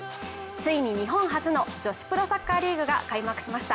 ついに日本初の女子プロサッカーリーグが開幕しました。